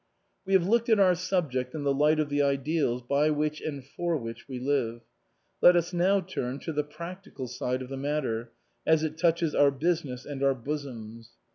" We have looked at our subject in the light of the ideals by which and for which we live. Let us now turn to the practical side of the matter, as it touches our business and our bosoms.